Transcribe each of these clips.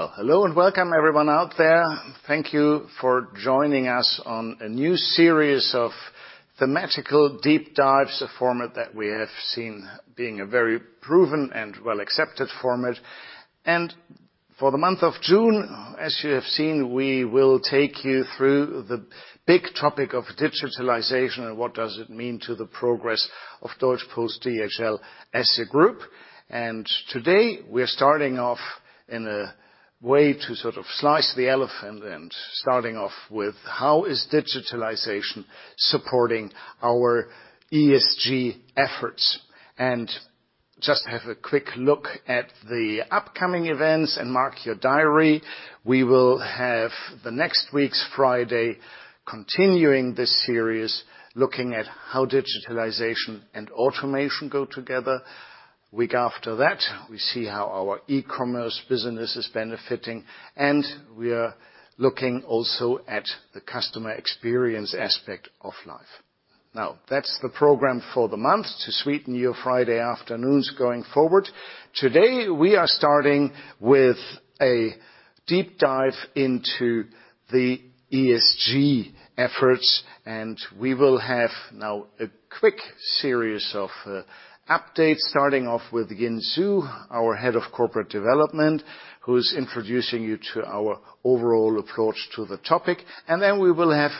Well, hello, and welcome everyone out there. Thank you for joining us on a new series of thematical deep dives, a format that we have seen being a very proven and well-accepted format. For the month of June, as you have seen, we will take you through the big topic of digitalization and what does it mean to the progress of Deutsche Post DHL Group. Today, we are starting off in a way to sort of slice the elephant, and starting off with how is digitalization supporting our ESG efforts? Just have a quick look at the upcoming events and mark your diary. We will have the next week's Friday, continuing this series, looking at how digitalization and automation go together. Week after that, we see how our e-commerce business is benefiting, and we are looking also at the customer experience aspect of life. Now, that's the program for the month to sweeten your Friday afternoons going forward. Today, we are starting with a deep dive into the ESG efforts, and we will have now a quick series of updates, starting off with Yin Zou, our Head of Corporate Development, who is introducing you to our overall approach to the topic. We will have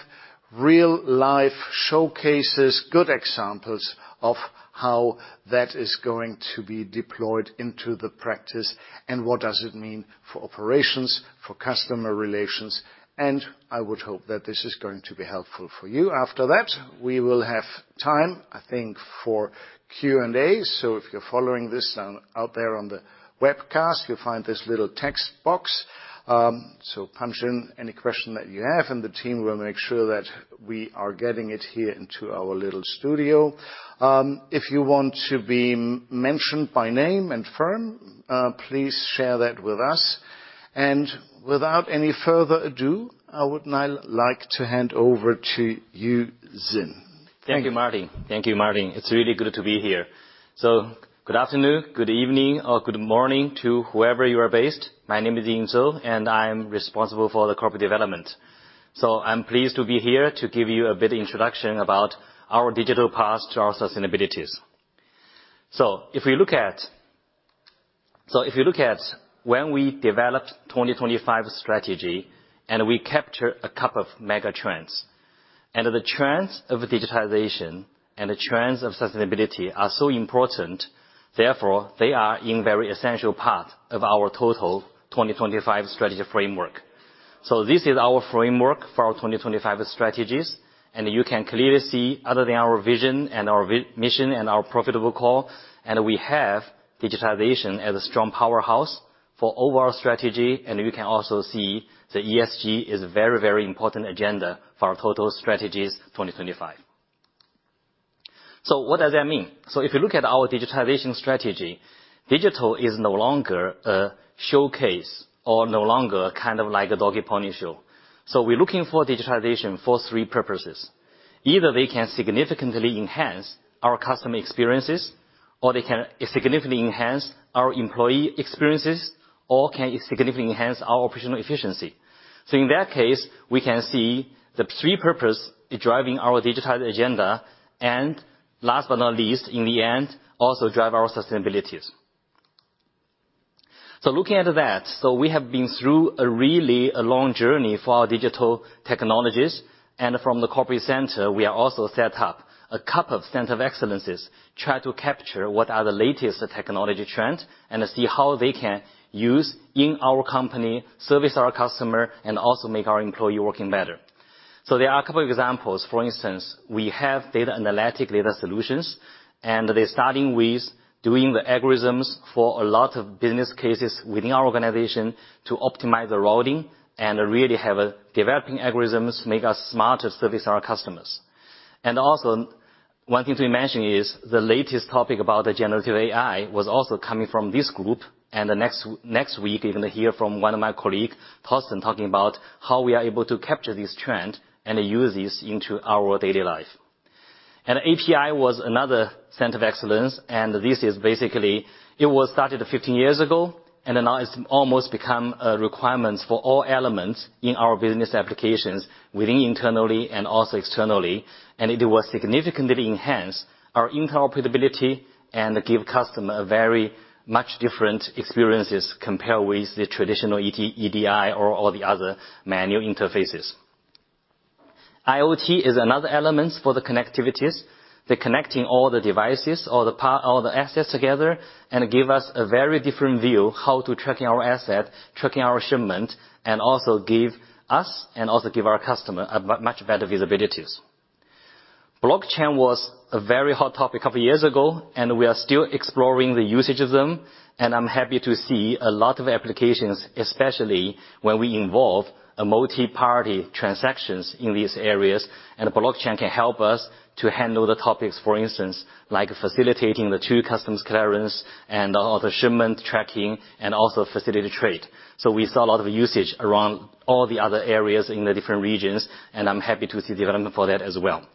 real-life showcases, good examples of how that is going to be deployed into the practice and what does it mean for operations, for customer relations, and I would hope that this is going to be helpful for you. After that, we will have time, I think, for Q&A. If you're following this, out there on the webcast, you'll find this little text box. Punch in any question that you have, and the team will make sure that we are getting it here into our little studio. If you want to be mentioned by name and firm, please share that with us. Without any further ado, I would now like to hand over to you, Yin. Thank you, Martin. It's really good to be here. Good afternoon, good evening, or good morning to wherever you are based. My name is Yin Zou, and I'm responsible for the corporate development. I'm pleased to be here to give you a bit introduction about our digital path to our sustainabilities. If you look at when we developed 2025 strategy, and we capture a couple of mega trends, and the trends of digitization and the trends of sustainability are so important, therefore, they are in very essential part of our total 2025 strategy framework. This is our framework for our 2025 strategies. You can clearly see, other than our vision and our mission and our profitable core, we have digitization as a strong powerhouse for overall strategy. You can also see the ESG is a very, very important agenda for our total strategies 2025. What does that mean? If you look at our digitization strategy, digital is no longer a showcase or no longer kind of like a dog and pony show. We're looking for digitization for 3 purposes. Either they can significantly enhance our customer experiences, or they can significantly enhance our employee experiences, or can significantly enhance our operational efficiency. In that case, we can see the 3 purpose driving our digital agenda, last but not least, in the end, also drive our sustainabilities. Looking at that, so we have been through a really a long journey for our digital technologies, and from the corporate center, we are also set up a couple of center of excellence, try to capture what are the latest technology trends and see how they can use in our company, service our customer, and also make our employee working better. There are a couple of examples. For instance, we have data analytic, data solutions, and they're starting with doing the algorithms for a lot of business cases within our organization to optimize the routing and really have a developing algorithms make us smarter service our customers. Also, one thing to mention is the latest topic about the generative AI was also coming from this group, and the next week, you're going to hear from one of my colleague, Thorsten, talking about how we are able to capture this trend and use this into our daily life. API was another center of excellence. It was started 15 years ago, and then now it's almost become a requirement for all elements in our business applications within internally and also externally. It will significantly enhance our interoperability and give customer a very much different experiences compared with the traditional EDI or the other manual interfaces. IoT is another element for the connectivities. They're connecting all the devices, all the assets together, give us a very different view how to tracking our asset, tracking our shipment, also give us, also give our customer a much better visibilities. Blockchain was a very hot topic a couple of years ago. We are still exploring the usage of them. I'm happy to see a lot of applications, especially when we involve a multiparty transactions in these areas. Blockchain can help us to handle the topics, for instance, like facilitating the two customs clearance, all the shipment tracking, also facilitate trade. We saw a lot of usage around all the other areas in the different regions. I'm happy to see development for that as well.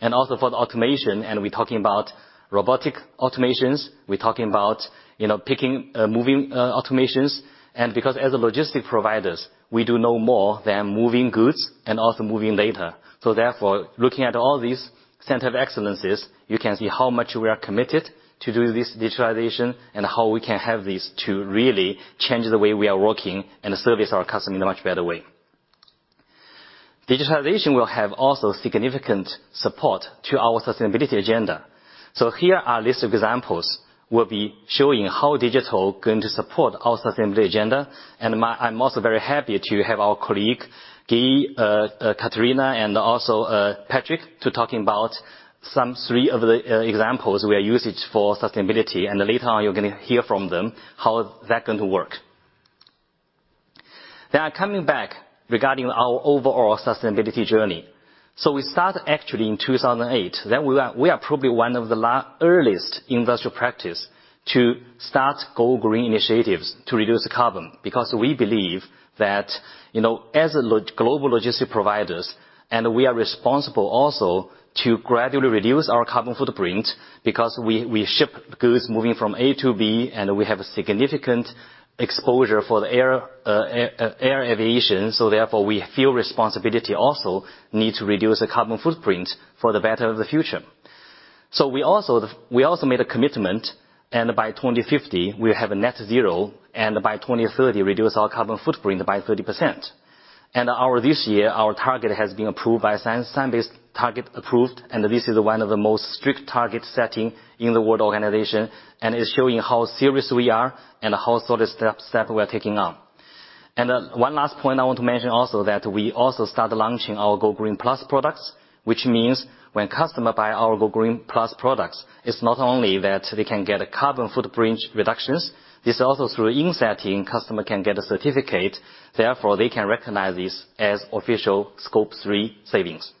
Also for the automation, and we're talking about robotic automations, we're talking about, you know, picking, moving, automations. Because as a logistics providers, we do know more than moving goods and also moving data. Therefore, looking at all these center of excellences, you can see how much we are committed to do this digitalization, and how we can have this to really change the way we are working, and service our customer in a much better way. Digitalization will have also significant support to our sustainability agenda. Here are list of examples. We'll be showing how digital going to support our sustainability agenda, I'm also very happy to have our colleague, Guy, Katharina, and also, Patrick, to talking about some 3 of the examples we are usage for sustainability. Later on, you're gonna hear from them, how is that going to work. Coming back regarding our overall sustainability journey. We started actually in 2008, then we are probably one of the earliest industrial practice to start GoGreen initiatives to reduce carbon, because we believe that, you know, as a global logistic providers, and we are responsible also to gradually reduce our carbon footprint, because we ship goods moving from A to B, and we have a significant exposure for the air aviation, so therefore, we feel responsibility also, need to reduce the carbon footprint for the better of the future. We also made a commitment, and by 2050, we have a net zero, and by 2030, reduce our carbon footprint by 30%. Our this year, our target has been approved by Science Based Target approved. This is one of the most strict target setting in the world organization, and is showing how serious we are and how solid step we're taking on. One last point I want to mention also, that we also started launching our GoGreen Plus products, which means when customer buy our GoGreen Plus products, it is not only that they can get a carbon footprint reductions, it is also through insetting, customer can get a certificate, therefore, they can recognize this as official Scope 3 savings.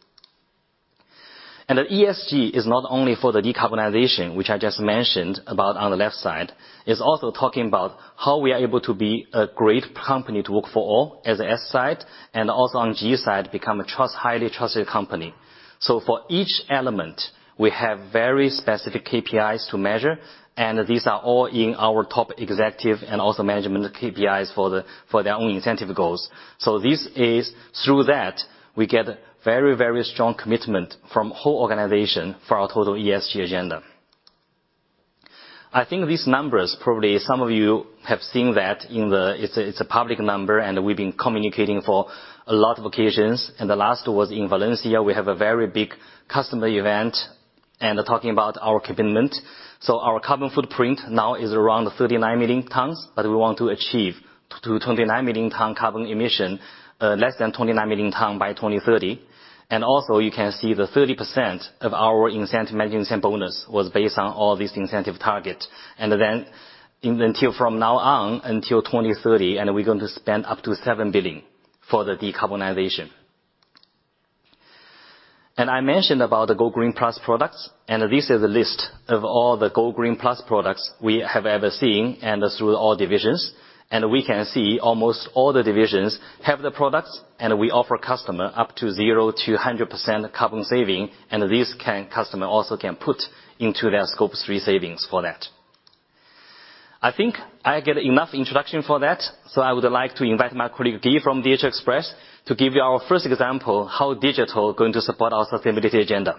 The ESG is not only for the decarbonization, which I just mentioned about on the left side, it is also talking about how we are able to be a great company to work for all as S side, and also on G side, become a highly trusted company. For each element, we have very specific KPIs to measure, and these are all in our top executive and also management KPIs for their own incentive goals. Through that, we get very strong commitment from whole organization for our total ESG agenda. I think these numbers, probably some of you have seen that it's a public number, and we've been communicating for a lot of occasions, and the last was in Valencia. We have a very big customer event, and talking about our commitment. Our carbon footprint now is around 39 million tons, but we want to achieve to 29 million tons carbon emission, less than 29 million tons by 2030. You can see the 30% of our incentive, management incentive bonus was based on all these incentive target. From now on, until 2030, and we're going to spend up to 7 billion for the decarbonization. I mentioned about the GoGreen Plus products, and this is a list of all the GoGreen Plus products we have ever seen and through all divisions. We can see almost all the divisions have the products, and we offer customer up to 0% to 100% carbon saving, and this customer also can put into their Scope 3 savings for that. I think I get enough introduction for that, so I would like to invite my colleague, Guy, from DHL Express to give you our first example, how digital going to support our sustainability agenda.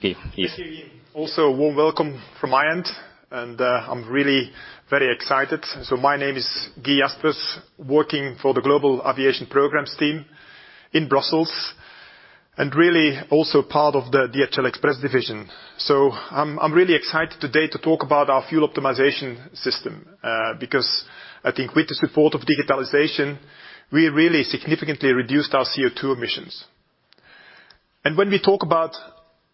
Guy, yes. Thank you. Also, a warm welcome from my end, I'm really very excited. My name is Guy Jaspers, working for the Global Aviation Programs team in Brussels, and really also part of the DHL Express division. I'm really excited today to talk about our fuel optimization system, because I think with the support of digitalization, we really significantly reduced our CO2 emissions. When we talk about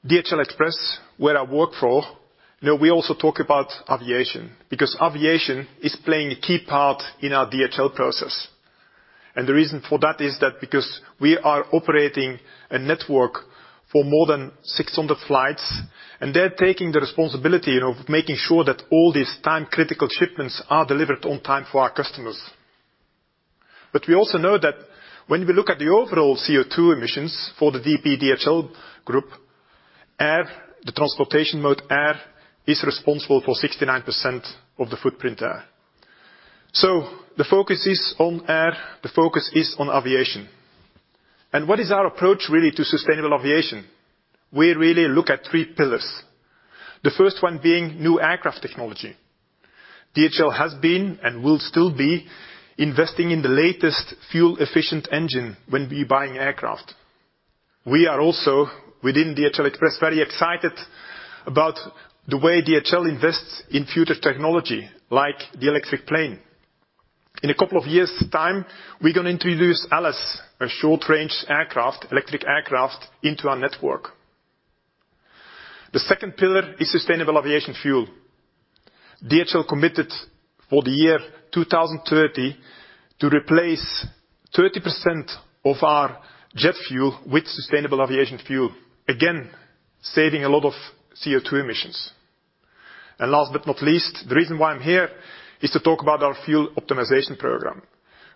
DHL Express, where I work for, you know, we also talk about aviation, because aviation is playing a key part in our DHL process. The reason for that is that because we are operating a network for more than 600 flights, and they're taking the responsibility of making sure that all these time-critical shipments are delivered on time for our customers. We also know that when we look at the overall CO2 emissions for the DPDHL Group, air, the transportation mode air, is responsible for 69% of the footprint air. The focus is on air, the focus is on aviation. What is our approach, really, to sustainable aviation? We really look at 3 pillars. The first one being new aircraft technology. DHL has been, and will still be, investing in the latest fuel-efficient engine when we buying aircraft. We are also, within DHL Express, very excited about the way DHL invests in future technology, like the electric plane. In a couple of years' time, we're going to introduce Alice, a short-range aircraft, electric aircraft, into our network. The second pillar is sustainable aviation fuel. DHL committed for the year 2030 to replace 30% of our jet fuel with sustainable aviation fuel, again, saving a lot of CO2 emissions. Last but not least, the reason why I'm here is to talk about our fuel optimization program.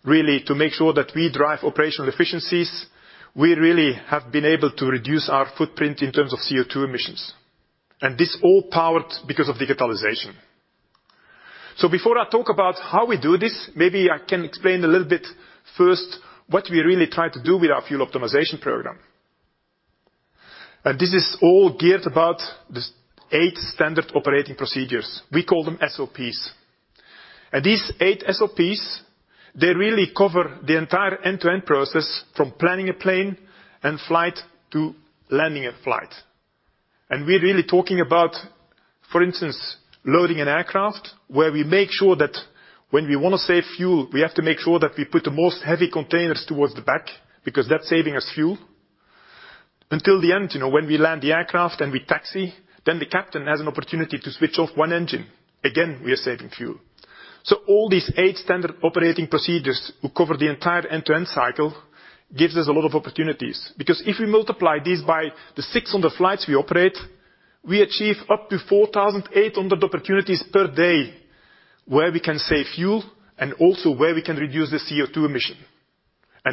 Really, to make sure that we drive operational efficiencies, we really have been able to reduce our footprint in terms of CO2 emissions, and this all powered because of digitalization. Before I talk about how we do this, maybe I can explain a little bit first what we really try to do with our fuel optimization program. This is all geared about the 8 standard operating procedures. We call them SOPs. These 8 SOPs, they really cover the entire end-to-end process, from planning a plane and flight to landing a flight. We're really talking about, for instance, loading an aircraft, where we make sure that when we want to save fuel, we have to make sure that we put the most heavy containers towards the back, because that's saving us fuel. Until the end, you know, when we land the aircraft and we taxi, then the captain has an opportunity to switch off one engine. Again, we are saving fuel. All these eight standard operating procedures will cover the entire end-to-end cycle, gives us a lot of opportunities, because if we multiply this by the six on the flights we operate, we achieve up to 4,800 opportunities per day, where we can save fuel and also where we can reduce the CO2 emission.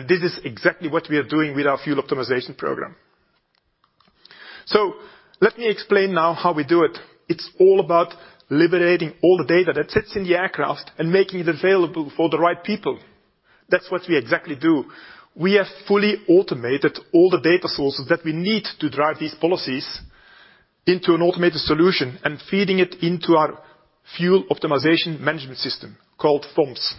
This is exactly what we are doing with our fuel optimization program. Let me explain now how we do it. It's all about liberating all the data that sits in the aircraft and making it available for the right people. That's what we exactly do. We have fully automated all the data sources that we need to drive these policies into an automated solution and feeding it into our fuel optimization management system called FOMS.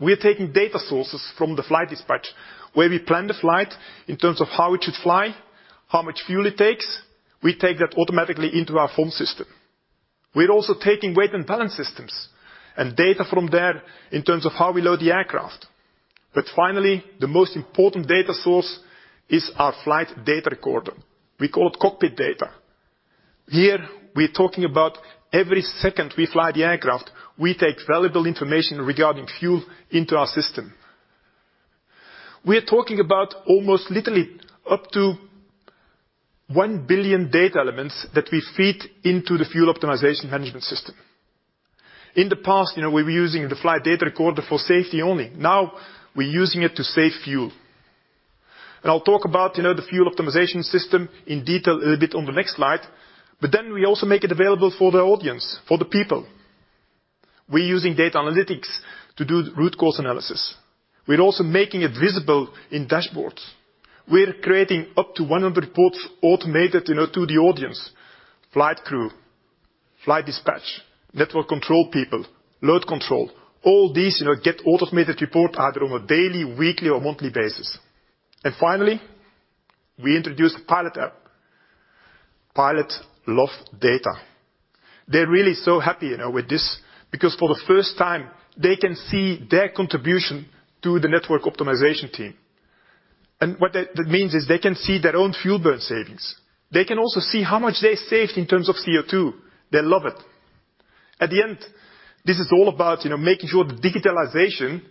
We are taking data sources from the flight dispatch, where we plan the flight in terms of how it should fly, how much fuel it takes. We take that automatically into our FOMS system. We're also taking weight and balance systems and data from there in terms of how we load the aircraft. Finally, the most important data source is our flight data recorder. We call it cockpit data. Here, we're talking about every second we fly the aircraft, we take valuable information regarding fuel into our system. We are talking about almost literally up to 1 billion data elements that we feed into the fuel optimization management system. In the past, we were using the flight data recorder for safety only. Now, we're using it to save fuel. I'll talk about, you know, the fuel optimization system in detail a little bit on the next slide, we also make it available for the audience, for the people. We're using data analytics to do root cause analysis. We're also making it visible in dashboards. We're creating up to 100 reports automated, you know, to the audience, flight crew, flight dispatch, network control people, load control. All these, you know, get automated report either on a daily, weekly, or monthly basis. Finally, we introduced Pilot App. Pilots love data. They're really so happy, you know, with this, because for the first time, they can see their contribution to the network optimization team. What that means is they can see their own fuel burn savings. They can also see how much they saved in terms of CO2. They love it. At the end, this is all about, you know, making sure the digitalization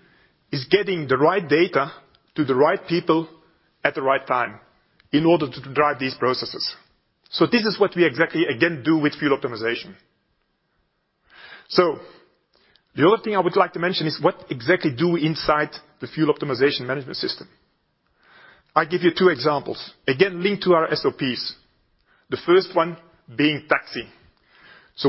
is getting the right data to the right people at the right time in order to drive these processes. This is what we exactly, again, do with fuel optimization. The other thing I would like to mention is what exactly do we inside the fuel optimization management system? I give you 2 examples. Again, linked to our SOPs, the first one being taxiing.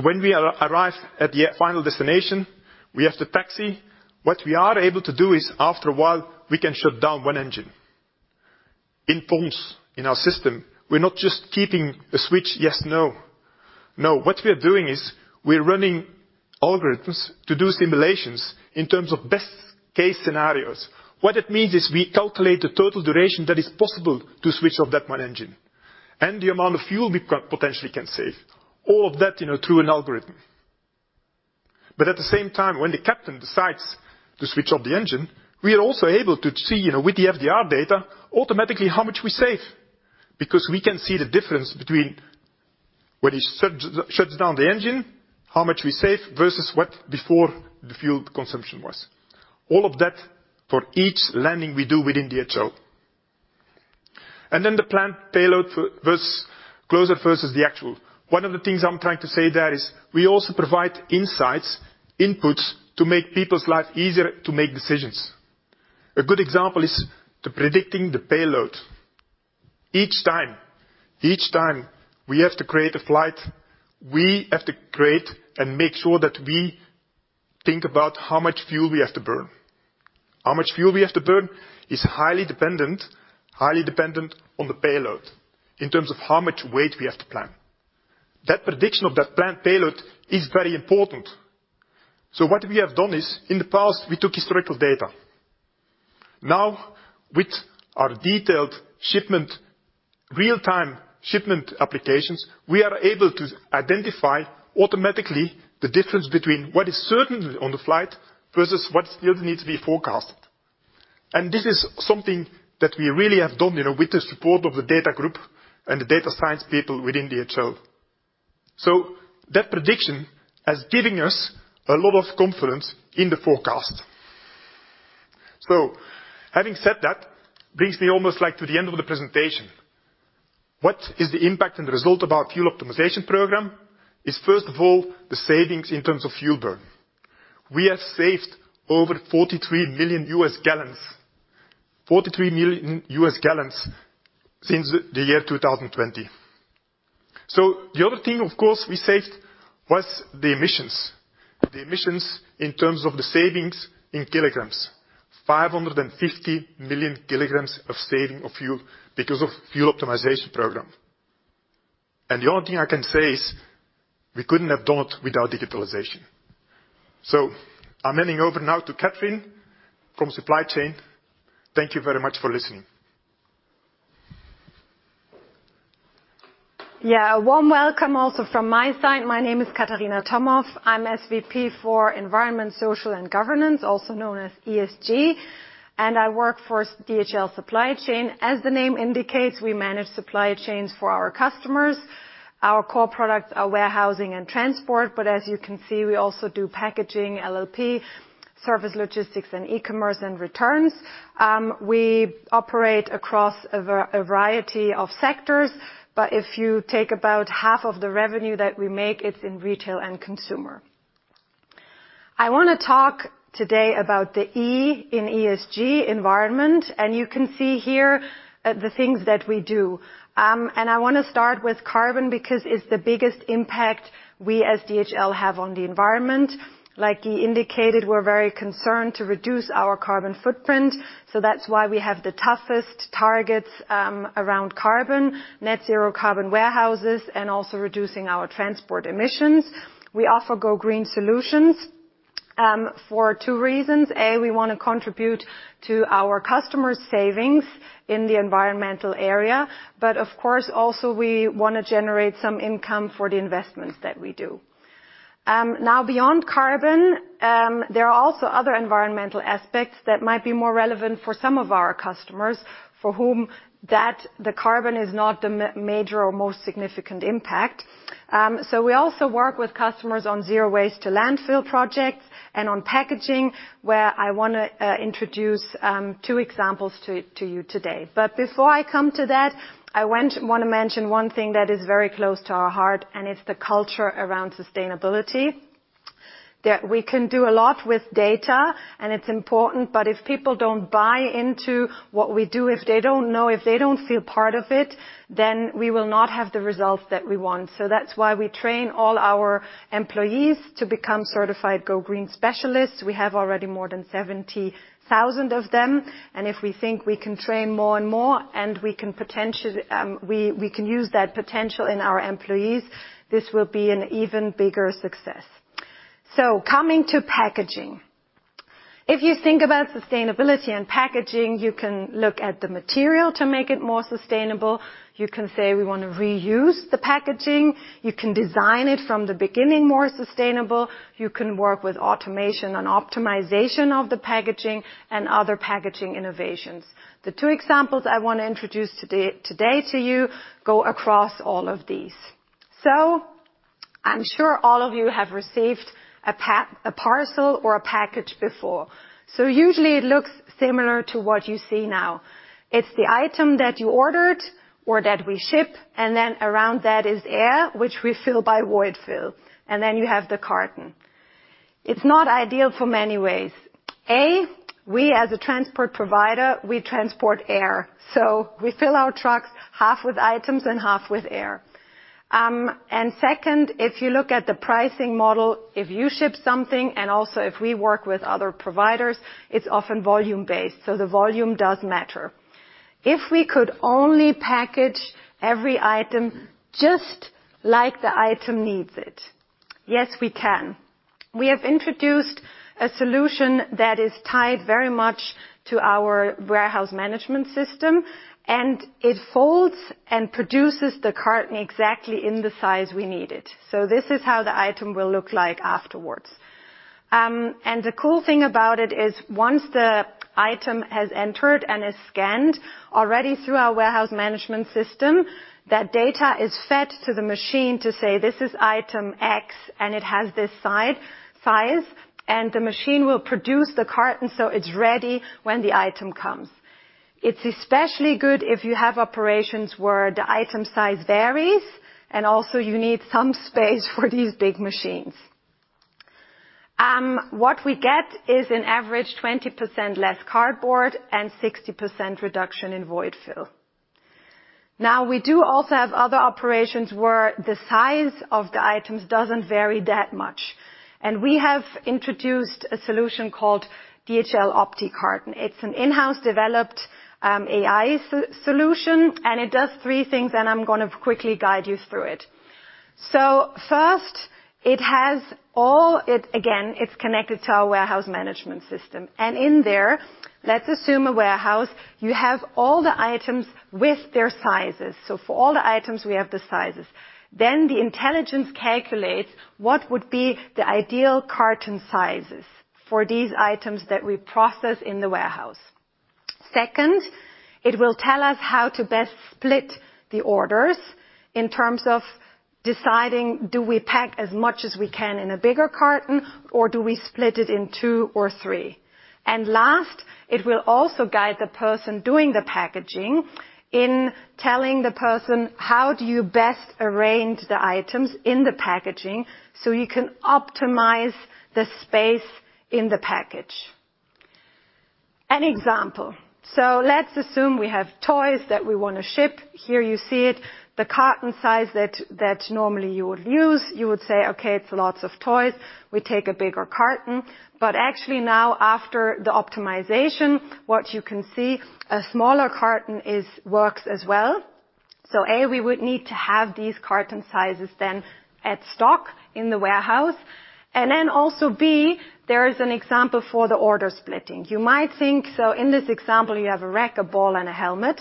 When we arrive at the air final destination, we have to taxi. What we are able to do is, after a while, we can shut down one engine. In FOMS, in our system, we're not just keeping a switch, yes, no. What we are doing is we're running algorithms to do simulations in terms of best-case scenarios. What it means is we calculate the total duration that is possible to switch off that one engine and the amount of fuel we potentially can save, all of that, you know, through an algorithm. At the same time, when the captain decides to switch off the engine, we are also able to see, you know, with the FDR data, automatically how much we save, because we can see the difference between when he shuts down the engine, how much we save, versus what before the fuel consumption was. All of that for each landing we do within DHL. The planned payload closer versus the actual. One of the things I'm trying to say there is, we also provide insights, inputs, to make people's lives easier to make decisions. A good example is the predicting the payload. Each time we have to create a flight, we have to create and make sure that we think about how much fuel we have to burn. How much fuel we have to burn is highly dependent on the payload, in terms of how much weight we have to plan. That prediction of that planned payload is very important. What we have done is, in the past, we took historical data. Now, with our detailed shipment, real-time shipment applications, we are able to identify automatically the difference between what is certain on the flight versus what still needs to be forecasted. This is something that we really have done, you know, with the support of the DHL Group and the data science people within DHL. That prediction is giving us a lot of confidence in the forecast. Having said that, brings me almost like to the end of the presentation. What is the impact and the result of our fuel optimization program? Is first of all, the savings in terms of fuel burn. We have saved over 43 million U.S. gallons, 43 million U.S. gallons since the year 2020. The other thing, of course, we saved was the emissions. The emissions in terms of the savings in kilograms. 550 million kilograms of saving of fuel because of fuel optimization program. The only thing I can say is, we couldn't have done it without digitalization. I'm handing over now to Katharina Tomoff from DHL Supply Chain. Thank you very much for listening. Yeah. A warm welcome also from my side. My name is Katharina Tomoff. I'm SVP for Environment, Social, and Governance, also known as ESG, and I work for DHL Supply Chain. As the name indicates, we manage supply chains for our customers. Our core products are warehousing and transport, but as you can see, we also do packaging, LLP, service, logistics, and e-commerce and returns. We operate across a variety of sectors, but if you take about half of the revenue that we make, it's in retail and consumer. I wanna talk today about the E in ESG, environment, and you can see here the things that we do. I wanna start with carbon, because it's the biggest impact we, as DHL, have on the environment. He indicated, we're very concerned to reduce our carbon footprint. That's why we have the toughest targets around carbon, net zero carbon warehouses, and also reducing our transport emissions. We offer GoGreen solutions for two reasons: A, we wanna contribute to our customers' savings in the environmental area. Of course, also we wanna generate some income for the investments that we do. Beyond carbon, there are also other environmental aspects that might be more relevant for some of our customers, for whom the carbon is not the major or most significant impact. We also work with customers on zero waste to landfill projects and on packaging, where I wanna introduce two examples to you today. Before I come to that, I wanna mention one thing that is very close to our heart, and it's the culture around sustainability, that we can do a lot with data, and it's important, but if people don't buy into what we do, if they don't know, if they don't feel part of it, then we will not have the results that we want. That's why we train all our employees to become certified GoGreen specialists. We have already more than 70,000 of them, and if we think we can train more and more, and we can use that potential in our employees, this will be an even bigger success. Coming to packaging. If you think about sustainability and packaging, you can look at the material to make it more sustainable. You can say, we wanna reuse the packaging. You can design it from the beginning, more sustainable. You can work with automation and optimization of the packaging and other packaging innovations. The two examples I wanna introduce today to you go across all of these. I'm sure all of you have received a parcel or a package before. Usually, it looks similar to what you see now. It's the item that you ordered or that we ship, and then around that is air, which we fill by void fill, and then you have the carton. It's not ideal for many ways. A, we, as a transport provider, we transport air, so we fill our trucks half with items and half with air. Second, if you look at the pricing model, if you ship something, and also if we work with other providers, it's often volume-based, so the volume does matter. If we could only package every item just like the item needs it... Yes, we can. We have introduced a solution that is tied very much to our warehouse management system, and it folds and produces the carton exactly in the size we need it. This is how the item will look like afterwards. The cool thing about it is, once the item has entered and is scanned already through our warehouse management system, that data is fed to the machine to say, "This is item X, and it has this side, size." The machine will produce the carton, so it's ready when the item comes. It's especially good if you have operations where the item size varies. Also, you need some space for these big machines. What we get is an average 20% less cardboard and 60% reduction in void fill. We do also have other operations where the size of the items doesn't vary that much, and we have introduced a solution called DHL OptiCarton. It's an in-house developed AI solution, and it does three things, and I'm gonna quickly guide you through it. First, it's connected to our warehouse management system, and in there, let's assume a warehouse. You have all the items with their sizes, so for all the items, we have the sizes. The intelligence calculates what would be the ideal carton sizes for these items that we process in the warehouse. Second, it will tell us how to best split the orders in terms of deciding, do we pack as much as we can in a bigger carton, or do we split it in two or three? Last, it will also guide the person doing the packaging in telling the person how do you best arrange the items in the packaging, so you can optimize the space in the package. An example: Let's assume we have toys that we want to ship. Here you see it, the carton size that normally you would use. You would say, "Okay, it's lots of toys. We take a bigger carton." Actually now, after the optimization, what you can see, a smaller carton works as well. A, we would need to have these carton sizes then at stock in the warehouse, B, there is an example for the order splitting. You might think, so in this example, you have a racket, a ball, and a helmet.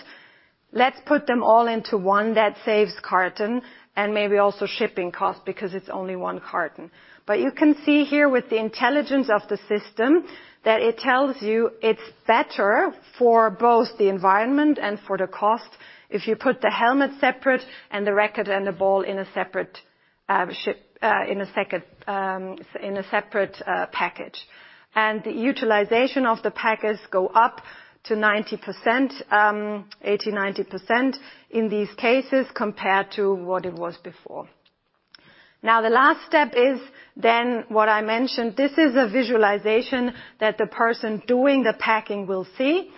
Let's put them all into one that saves carton and maybe also shipping cost, because it's only one carton. You can see here with the intelligence of the system, that it tells you it's better for both the environment and for the cost if you put the helmet separate and the racket and the ball in a separate package. The utilization of the packets go up to 90%, 80%, 90% in these cases, compared to what it was before. The last step is then what I mentioned. This is a visualization that the person doing the packing will see.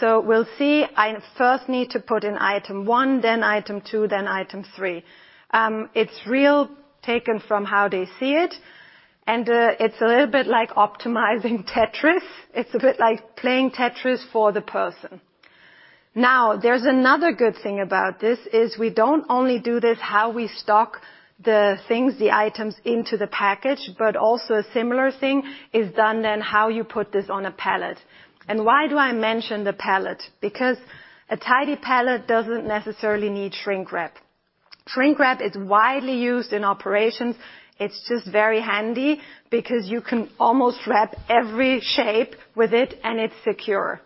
We'll see, I first need to put in item 1, then item 2, then item 3. It's real taken from how they see it. It's a little bit like optimizing Tetris. It's a bit like playing Tetris for the person. There's another good thing about this, is we don't only do this how we stock the things, the items into the package, but also a similar thing is done on how you put this on a pallet. Why do I mention the pallet? Because a tidy pallet doesn't necessarily need shrink wrap. Shrink wrap is widely used in operations. It's just very handy because you can almost wrap every shape with it, and it's secure.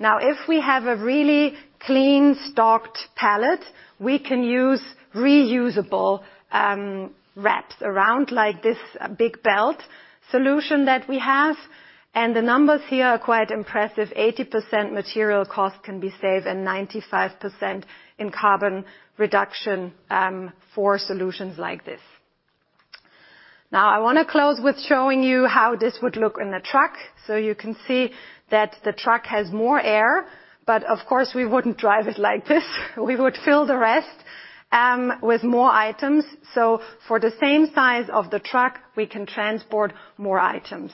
If we have a really clean, stocked pallet, we can use reusable wraps around, like this big belt solution that we have. The numbers here are quite impressive. 80% material cost can be saved and 95% in carbon reduction for solutions like this. I want to close with showing you how this would look in a truck. You can see that the truck has more air, of course, we wouldn't drive it like this. We would fill the rest with more items. For the same size of the truck, we can transport more items.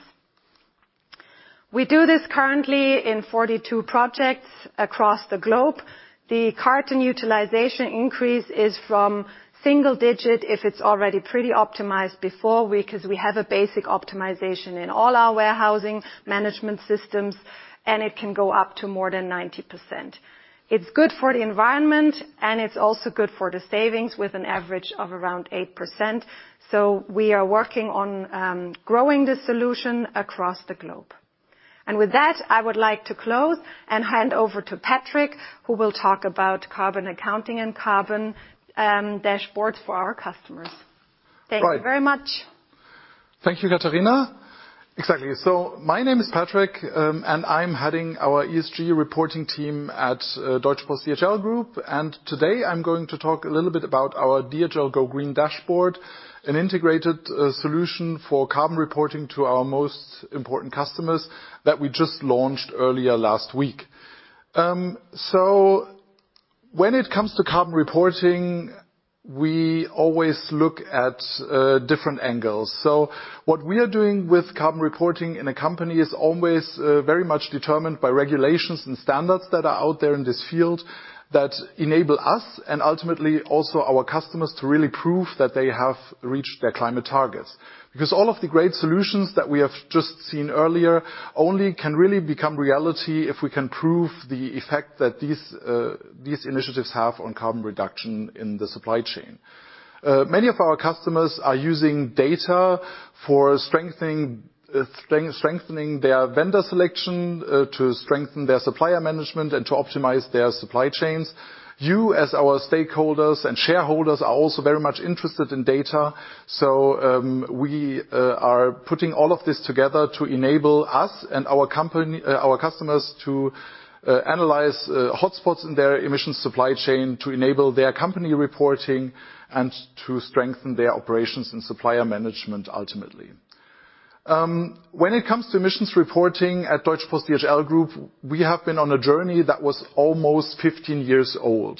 We do this currently in 42 projects across the globe. The carton utilization increase is from single digit, if it's already pretty optimized before, because we have a basic optimization in all our warehouse management systems, it can go up to more than 90%. It's good for the environment, it's also good for the savings, with an average of around 8%. We are working on growing this solution across the globe. With that, I would like to close and hand over to Patrick, who will talk about carbon accounting and carbon dashboards for our customers. Thank you very much. Thank you, Katharina. Exactly. My name is Patrick, and I'm heading our ESG reporting team at Deutsche Post DHL Group. Today, I'm going to talk a little bit about our DHL GoGreen Dashboard, an integrated solution for carbon reporting to our most important customers that we just launched earlier last week. When it comes to carbon reporting, we always look at different angles. What we are doing with carbon reporting in a company is always very much determined by regulations and standards that are out there in this field that enable us, and ultimately, also our customers, to really prove that they have reached their climate targets. All of the great solutions that we have just seen earlier only can really become reality if we can prove the effect that these initiatives have on carbon reduction in the supply chain. Many of our customers are using data for strengthening their vendor selection, to strengthen their supplier management and to optimize their supply chains. You, as our stakeholders and shareholders, are also very much interested in data, we are putting all of this together to enable us and our customers to analyze hotspots in their emission supply chain, to enable their company reporting and to strengthen their operations and supplier management, ultimately. When it comes to emissions reporting at Deutsche Post DHL Group, we have been on a journey that was almost 15 years old.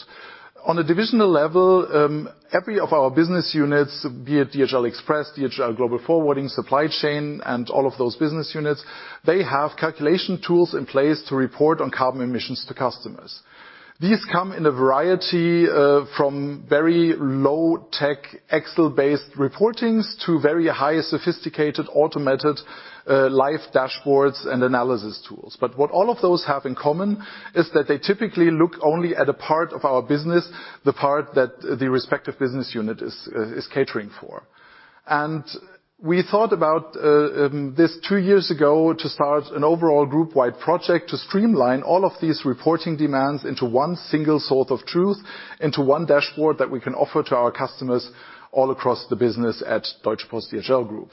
On a divisional level, every of our business units, be it DHL Express, DHL Global Forwarding, Supply Chain, and all of those business units, they have calculation tools in place to report on carbon emissions to customers. These come in a variety, from very low-tech, Excel-based reportings to very high, sophisticated, automated, live dashboards and analysis tools. What all of those have in common is that they typically look only at a part of our business, the part that the respective business unit is catering for. We thought about this two years ago, to start an overall group-wide project to streamline all of these reporting demands into one single source of truth, into one dashboard that we can offer to our customers all across the business at Deutsche Post DHL Group.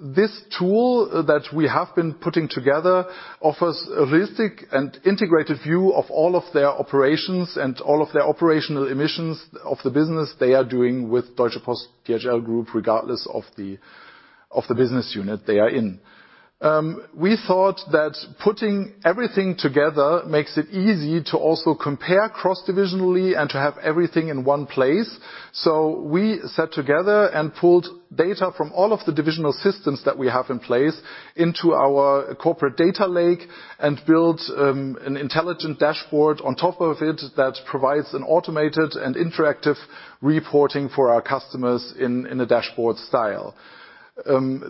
This tool that we have been putting together offers a holistic and integrated view of all of their operations and all of their operational emissions of the business they are doing with Deutsche Post DHL Group, regardless of the business unit they are in. We thought that putting everything together makes it easy to also compare cross-divisionally and to have everything in one place. We sat together and pulled data from all of the divisional systems that we have in place into our corporate data lake, and built an intelligent dashboard on top of it that provides an automated and interactive reporting for our customers in a dashboard style.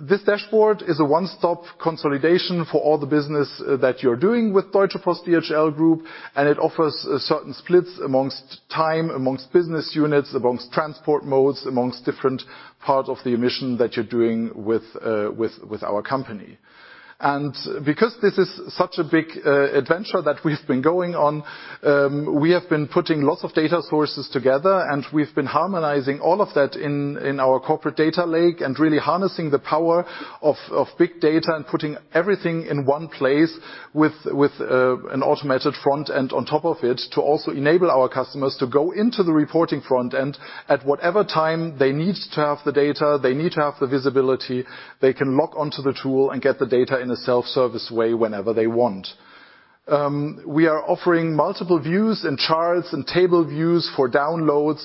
This dashboard is a one-stop consolidation for all the business that you're doing with Deutsche Post DHL Group. It offers certain splits amongst time, amongst business units, amongst transport modes, amongst different parts of the emission that you're doing with our company. Because this is such a big adventure that we've been going on, we have been putting lots of data sources together, and we've been harmonizing all of that in our corporate data lake, and really harnessing the power of big data and putting everything in one place with an automated front-end on top of it, to also enable our customers to go into the reporting front-end at whatever time they need to have the data, they need to have the visibility, they can log onto the tool and get the data in a self-service way whenever they want. We are offering multiple views, and charts, and table views for downloads,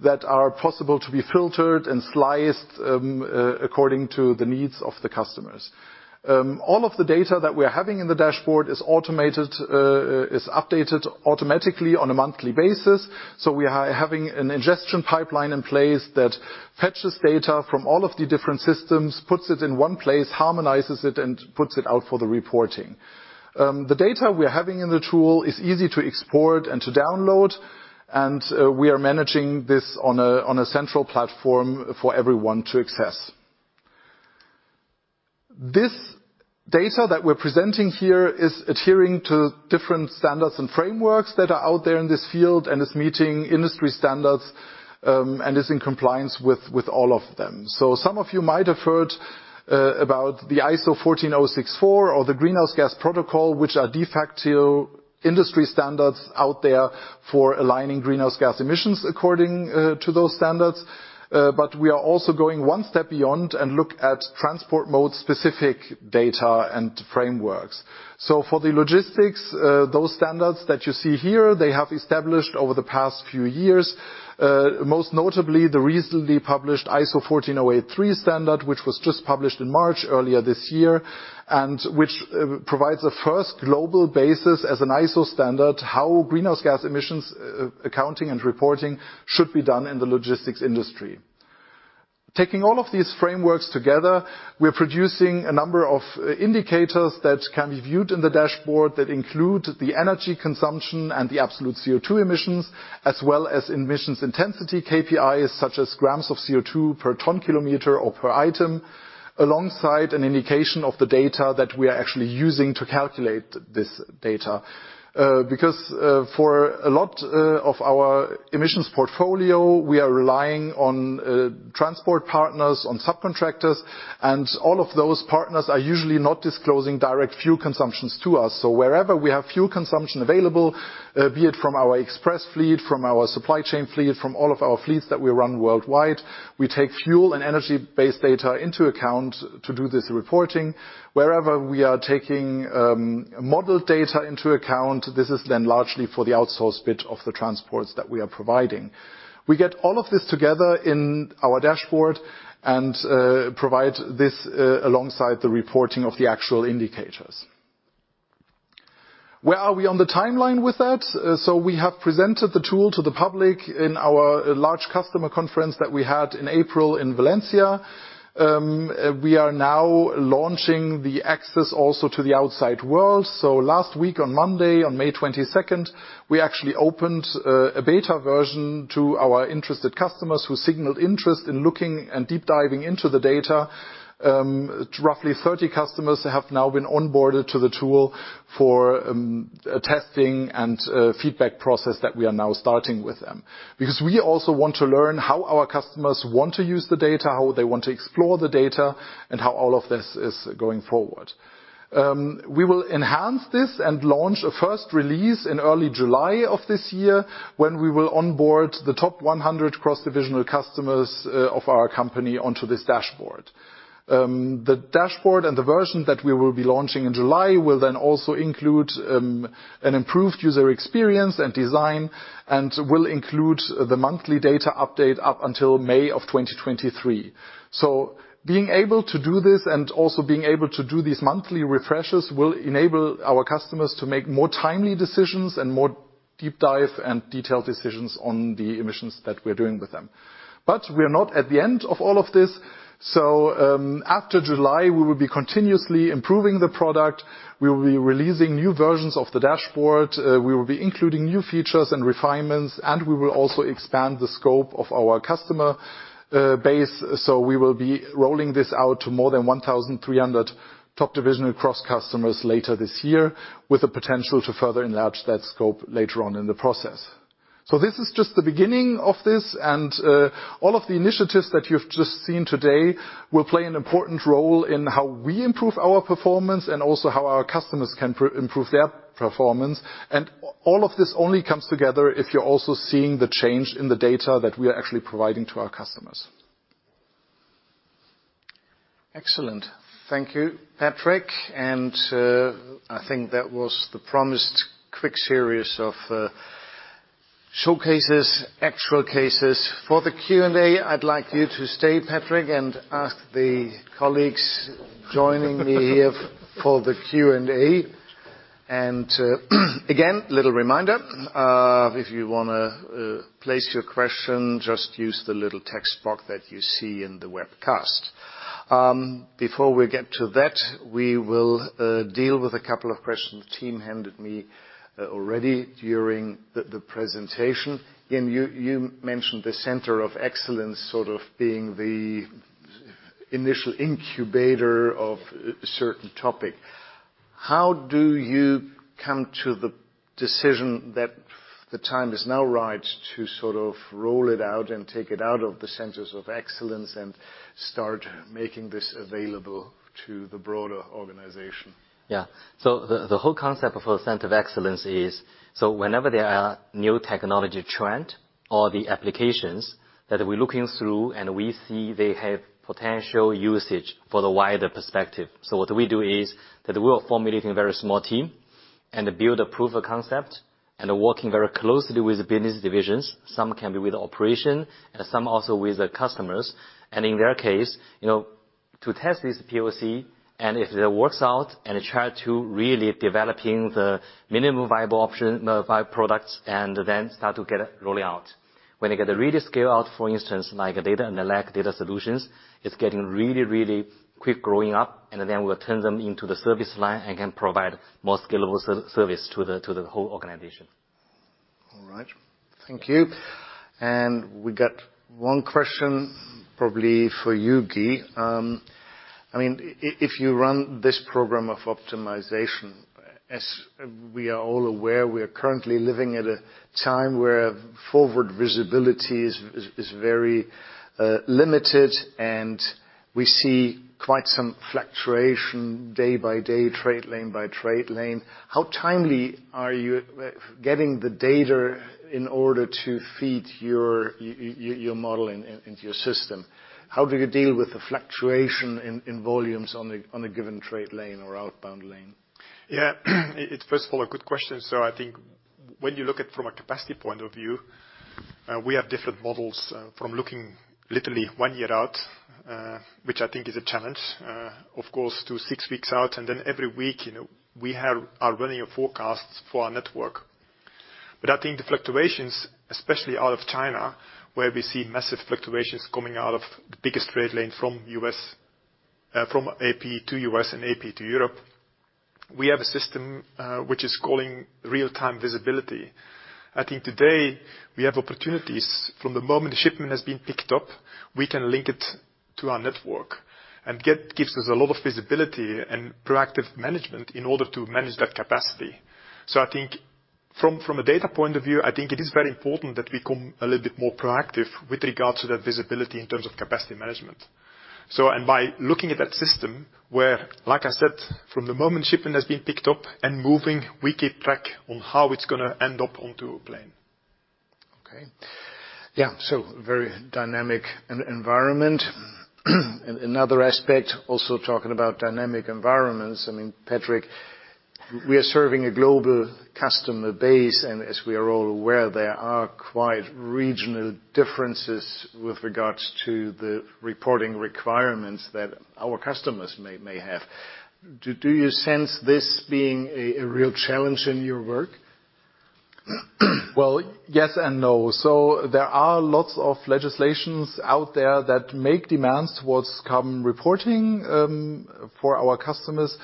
that are possible to be filtered and sliced, according to the needs of the customers. All of the data that we are having in the dashboard is updated automatically on a monthly basis, so we are having an ingestion pipeline in place that fetches data from all of the different systems, puts it in one place, harmonizes it, and puts it out for the reporting. The data we are having in the tool is easy to export and to download, and we are managing this on a central platform for everyone to access. This data that we're presenting here is adhering to different standards and frameworks that are out there in this field, and is meeting industry standards, and is in compliance with all of them. Some of you might have heard about the ISO 14064 or the Greenhouse Gas Protocol, which are de facto industry standards out there for aligning greenhouse gas emissions according to those standards. We are also going one step beyond and look at transport mode-specific data and frameworks. For the logistics, those standards that you see here, they have established over the past few years, most notably the recently published ISO 14083 standard, which was just published in March earlier this year, and which provides a first global basis as an ISO standard, how greenhouse gas emissions accounting and reporting should be done in the logistics industry. Taking all of these frameworks together, we are producing a number of indicators that can be viewed in the dashboard, that include the energy consumption and the absolute CO2 emissions, as well as emissions intensity, KPIs, such as grams of CO2 per ton kilometer or per item, alongside an indication of the data that we are actually using to calculate this data. Because for a lot of our emissions portfolio, we are relying on transport partners, on subcontractors, and all of those partners are usually not disclosing direct fuel consumptions to us. Wherever we have fuel consumption available, be it from our express fleet, from our supply chain fleet, from all of our fleets that we run worldwide, we take fuel and energy-based data into account to do this reporting. Wherever we are taking model data into account, this is then largely for the outsourced bit of the transports that we are providing. We get all of this together in our dashboard and provide this alongside the reporting of the actual indicators. Where are we on the timeline with that? We have presented the tool to the public in our large customer conference that we had in April in Valencia. We are now launching the access also to the outside world. Last week, on Monday, on May 22nd, we actually opened a beta version to our interested customers who signaled interest in looking and deep diving into the data. Roughly 30 customers have now been onboarded to the tool for a testing and feedback process that we are now starting with them. We also want to learn how our customers want to use the data, how they want to explore the data, and how all of this is going forward. We will enhance this and launch a first release in early July of this year, when we will onboard the top 100 cross-divisional customers of our company onto this dashboard. The dashboard and the version that we will be launching in July will then also include an improved user experience and design, and will include the monthly data update up until May of 2023. Being able to do this, and also being able to do these monthly refreshes, will enable our customers to make more timely decisions, and more deep dive and detailed decisions on the emissions that we're doing with them. We are not at the end of all of this. After July, we will be continuously improving the product. We will be releasing new versions of the dashboard. We will be including new features and refinements, and we will also expand the scope of our customer base. We will be rolling this out to more than 1,300 top divisional cross customers later this year, with the potential to further enlarge that scope later on in the process. This is just the beginning of this. All of the initiatives that you've just seen today will play an important role in how we improve our performance, and also how our customers can improve their performance. All of this only comes together if you're also seeing the change in the data that we are actually providing to our customers. Excellent. Thank you, Patrick. I think that was the promised quick series of showcases, actual cases. For the Q&A, I'd like you to stay, Patrick, and ask the colleagues joining me here for the Q&A. Again, little reminder, if you wanna place your question, just use the little text box that you see in the webcast. Before we get to that, we will deal with a couple of questions the team handed me already during the presentation. Yin, you mentioned the center of excellence sort of being the initial incubator of a certain topic. How do you come to the decision that the time is now right to sort of roll it out and take it out of the centers of excellence and start making this available to the broader organization? The whole concept of a center of excellence is, so whenever there are new technology trend or the applications that we're looking through, and we see they have potential usage for the wider perspective. What we do is, that we are formulating a very small team and build a proof of concept, and working very closely with the business divisions. Some can be with operation and some also with the customers. In their case, you know, to test this POC, and if it works out, and try to really developing the minimum viable option by products, and then start to get it rolling out. When they get to really scale out, for instance, like data and the lag data solutions, it's getting really, really quick growing up, and then we'll turn them into the service line and can provide more scalable service to the whole organization. All right. Thank you. We got one question probably for you, Guy. I mean, if you run this program of optimization, as we are all aware, we are currently living at a time where forward visibility is very limited, and we see quite some fluctuation day by day, trade lane by trade lane. How timely are you at getting the data in order to feed your model into your system? How do you deal with the fluctuation in volumes on a given trade lane or outbound lane? It's first of all, a good question. I think when you look at from a capacity point of view, we have different models, from looking literally one year out, which I think is a challenge, of course, to six weeks out, and then every week, you know, we are running forecasts for our network. I think the fluctuations, especially out of China, where we see massive fluctuations coming out of the biggest trade lane from U.S., from AP to U.S. and AP to Europe, we have a system, which is calling real-time visibility. I think today, we have opportunities. From the moment the shipment has been picked up, we can link it to our network, and gives us a lot of visibility and proactive management in order to manage that capacity. I think from a data point of view, I think it is very important that we come a little bit more proactive with regards to that visibility in terms of capacity management. By looking at that system, where, like I said, from the moment shipping has been picked up and moving, we keep track on how it's gonna end up onto a plane. Okay. Yeah, very dynamic environment. Another aspect, also talking about dynamic environments, I mean, Patrick, we are serving a global customer base, and as we are all aware, there are quite regional differences with regards to the reporting requirements that our customers may have. Do you sense this being a real challenge in your work? Yes and no. There are lots of legislations out there that make demands towards carbon reporting for our customers.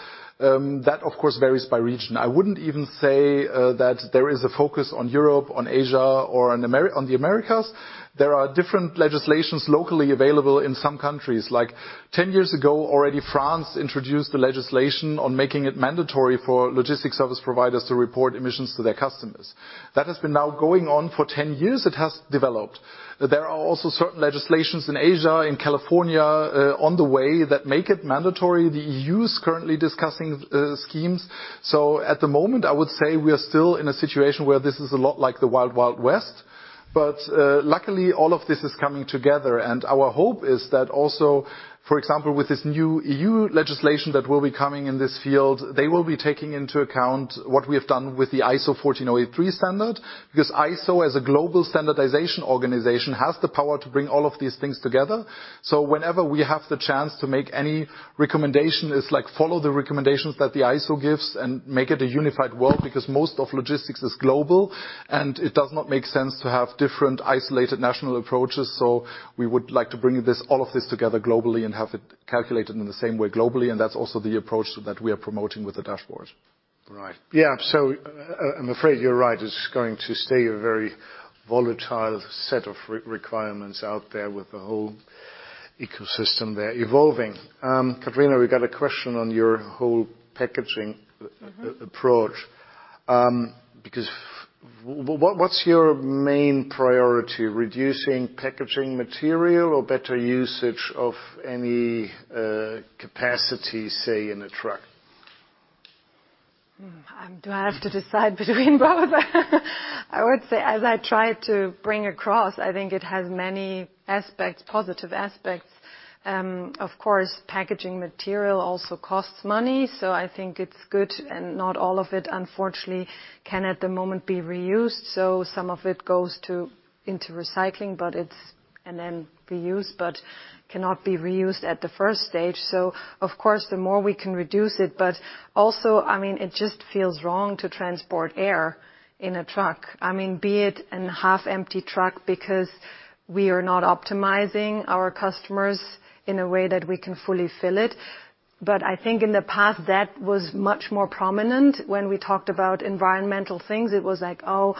That, of course, varies by region. I wouldn't even say that there is a focus on Europe, on Asia, or on the Americas. There are different legislations locally available in some countries. Like, 10 years ago already, France introduced the legislation on making it mandatory for logistics service providers to report emissions to their customers. That has been now going on for 10 years, it has developed. There are also certain legislations in Asia, in California, on the way that make it mandatory. The EU's currently discussing schemes. At the moment, I would say we are still in a situation where this is a lot like the Wild Wild West. Luckily, all of this is coming together, and our hope is that also, for example, with this new EU legislation that will be coming in this field, they will be taking into account what we have done with the ISO 14083 standard. ISO, as a global standardization organization, has the power to bring all of these things together. Whenever we have the chance to make any recommendation, it's like follow the recommendations that the ISO gives and make it a unified world, because most of logistics is global, and it does not make sense to have different isolated national approaches. We would like to bring this, all of this together globally and have it calculated in the same way globally, and that's also the approach that we are promoting with the dashboard. Right. Yeah, I'm afraid you're right. It's going to stay a very volatile set of requirements out there with the whole ecosystem there evolving. Katharina, we got a question on your whole packaging- Mm-hmm. approach. Because what's your main priority, reducing packaging material or better usage of any capacity, say, in a truck?... Do I have to decide between both? I would say, as I tried to bring across, I think it has many aspects, positive aspects. Of course, packaging material also costs money, so I think it's good, and not all of it, unfortunately, can, at the moment, be reused. Some of it goes into recycling, but it's and then reused, but cannot be reused at the first stage. Of course, the more we can reduce it... Also, I mean, it just feels wrong to transport air in a truck. I mean, be it an half-empty truck, because we are not optimizing our customers in a way that we can fully fill it. I think in the past, that was much more prominent. When we talked about environmental things, it was like, "Oh,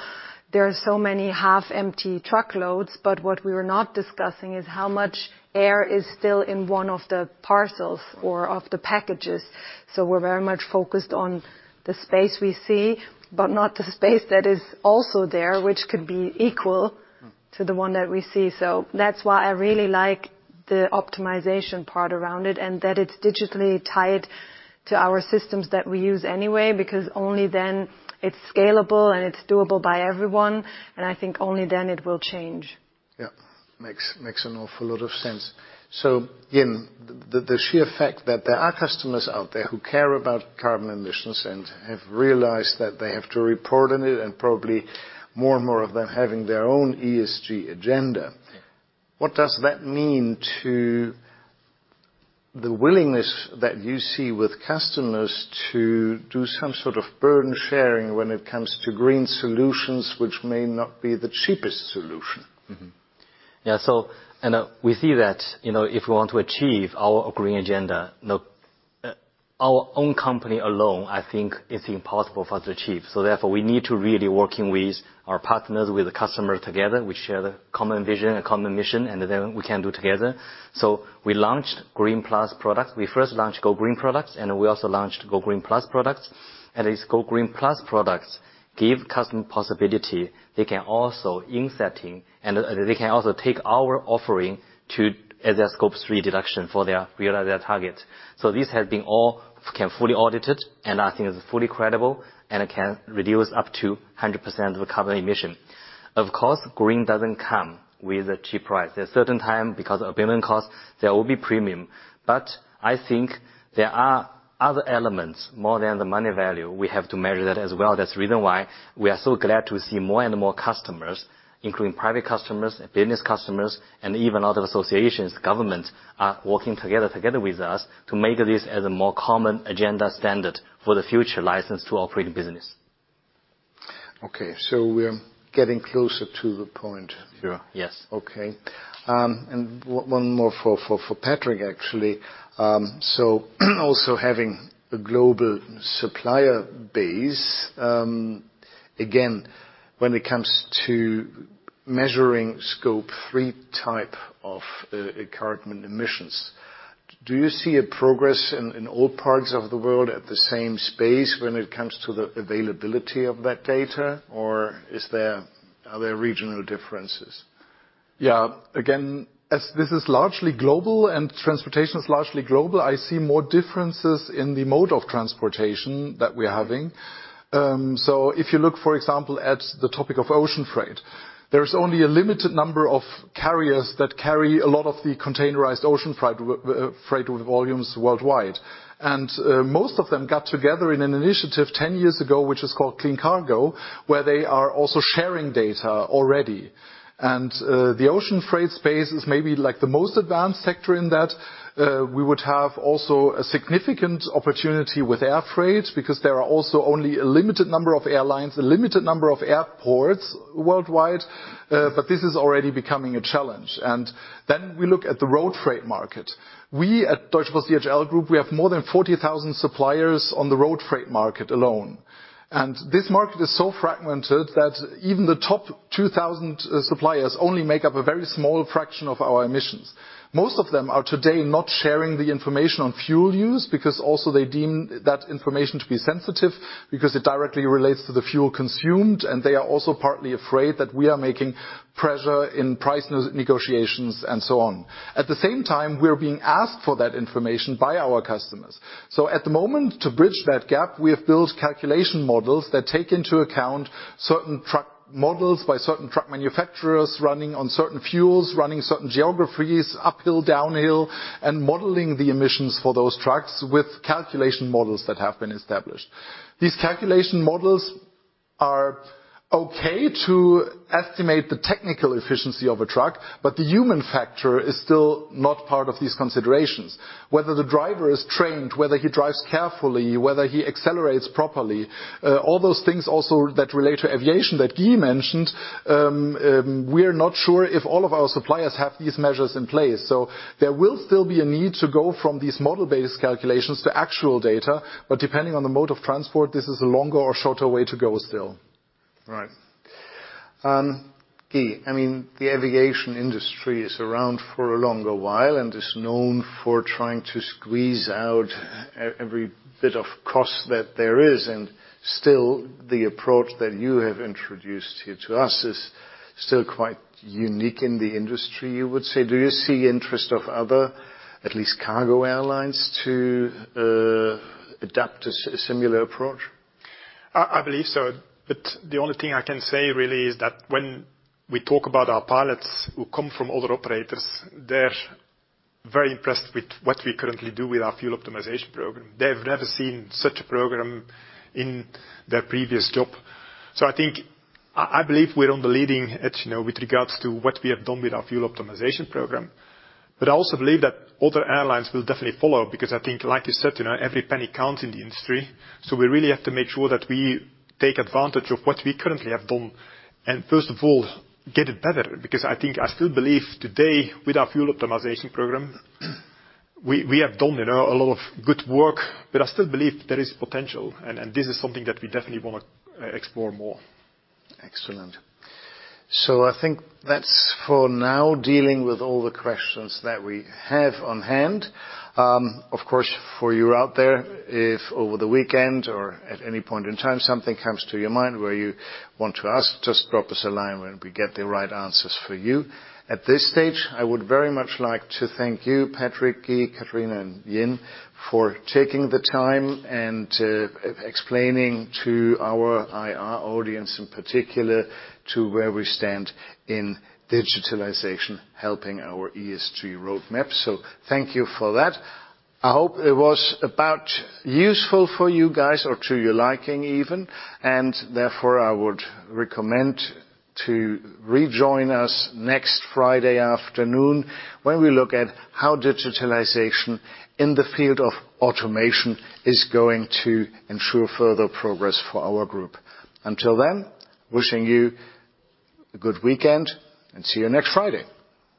there are so many half-empty truckloads." What we were not discussing is how much air is still in one of the parcels or of the packages. We're very much focused on the space we see, but not the space that is also there, which could be equal to the one that we see. That's why I really like the optimization part around it, and that it's digitally tied to our systems that we use anyway, because only then it's scalable and it's doable by everyone, and I think only then it will change. Yeah. Makes an awful lot of sense. Yin, the sheer fact that there are customers out there who care about carbon emissions and have realized that they have to report on it, and probably more and more of them having their own ESG agenda- Yeah. What does that mean to the willingness that you see with customers to do some sort of burden-sharing when it comes to green solutions, which may not be the cheapest solution? Yeah, we see that, you know, if we want to achieve our green agenda, no, our own company alone, I think, it's impossible for us to achieve. Therefore, we need to really working with our partners, with the customer together. We share the common vision and common mission, then we can do together. We launched GoGreen Plus products. We first launched GoGreen products, we also launched GoGreen Plus products. These GoGreen Plus products give customer possibility. They can also insetting, they can also take our offering to as their Scope 3 deduction for their, realize their target. This has been all, can fully audited, I think it's fully credible, it can reduce up to 100% of the carbon emission. Of course, green doesn't come with a cheap price. There are certain time, because of amendment costs, there will be premium. I think there are other elements more than the money value. We have to measure that as well. That's the reason why we are so glad to see more and more customers, including private customers and business customers, and even other associations, government, are working together with us to make this as a more common agenda standard for the future license to operate business. Okay, we're getting closer to the point here. Yes. One more for, for Patrick, actually. Also having a global supplier base, again, when it comes to measuring Scope 3 type of carbon emissions, do you see a progress in all parts of the world at the same space when it comes to the availability of that data, or are there regional differences? Yeah, again, as this is largely global and transportation is largely global, I see more differences in the mode of transportation that we're having. If you look, for example, at the topic of ocean freight, there is only a limited number of carriers that carry a lot of the containerized ocean freight volumes worldwide. Most of them got together in an initiative 10 years ago, which is called Clean Cargo, where they are also sharing data already. The ocean freight space is maybe, like, the most advanced sector in that. We would have also a significant opportunity with air freight, because there are also only a limited number of airlines, a limited number of airports worldwide, this is already becoming a challenge. We look at the road freight market. At Deutsche Post DHL Group, we have more than 40,000 suppliers on the road freight market alone. This market is so fragmented that even the top 2,000 suppliers only make up a very small fraction of our emissions. Most of them are today not sharing the information on fuel use, because also they deem that information to be sensitive, because it directly relates to the fuel consumed, and they are also partly afraid that we are making pressure in price negotiations and so on. At the same time, we are being asked for that information by our customers. At the moment, to bridge that gap, we have built calculation models that take into account certain truck models by certain truck manufacturers, running on certain fuels, running certain geographies, uphill, downhill, and modeling the emissions for those trucks with calculation models that have been established. These calculation models are okay to estimate the technical efficiency of a truck, but the human factor is still not part of these considerations. Whether the driver is trained, whether he drives carefully, whether he accelerates properly, all those things also that relate to aviation, that Guy mentioned, we're not sure if all of our suppliers have these measures in place. There will still be a need to go from these model-based calculations to actual data, but depending on the mode of transport, this is a longer or shorter way to go still. Right. Guy, I mean, the aviation industry is around for a longer while and is known for trying to squeeze out every bit of cost that there is. Still, the approach that you have introduced here to us is still quite unique in the industry, you would say? Do you see interest of other, at least cargo airlines, to adapt a similar approach? I believe so. The only thing I can say really is that when we talk about our pilots who come from other operators, they're very impressed with what we currently do with our fuel optimization program. They have never seen such a program in their previous job. I think, I believe we're on the leading edge, you know, with regards to what we have done with our fuel optimization program. I also believe that other airlines will definitely follow, because I think, like you said, you know, every penny counts in the industry. We really have to make sure that we take advantage of what we currently have done, and first of all, get it better. I think I still believe today, with our fuel optimization program, we have done, you know, a lot of good work, but I still believe there is potential. This is something that we definitely wanna explore more. Excellent. I think that's for now, dealing with all the questions that we have on hand. Of course, for you out there, if over the weekend or at any point in time, something comes to your mind where you want to ask, just drop us a line, and we get the right answers for you. At this stage, I would very much like to thank you, Patrick, Guy, Catharina, and Yin, for taking the time and explaining to our IR audience, in particular, to where we stand in digitalization, helping our ESG roadmap. Thank you for that. I hope it was about useful for you guys or to your liking even, and therefore, I would recommend to rejoin us next Friday afternoon, when we look at how digitalization in the field of automation is going to ensure further progress for our group. Until then, wishing you a good weekend, and see you next Friday!